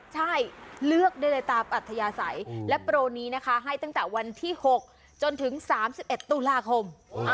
ใช่เลือกได้เลยตามอัธยาศัยและโปรนี้นะคะให้ตั้งแต่วันที่๖จนถึง๓๑ตุลาคม